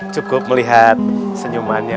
cukup melihat senyumannya